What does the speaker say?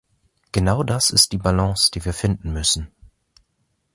Genau das ist die Balance, die wir finden müssen.